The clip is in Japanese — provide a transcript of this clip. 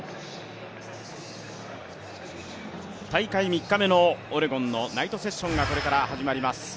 大会３日目のオレゴンのナイトセッションがこれから始まります。